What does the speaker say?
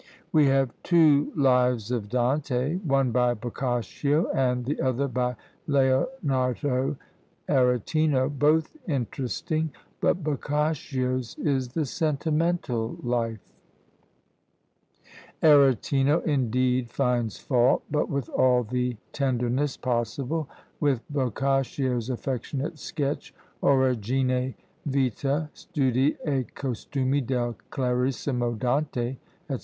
We have two Lives of Dante, one by Boccaccio and the other by Leonardo Aretino, both interesting: but Boccaccio's is the sentimental life! Aretino, indeed, finds fault, but with all the tenderness possible, with Boccaccio's affectionate sketch, Origine, Vita, Studi e Costumi del clarissimo Dante, &c.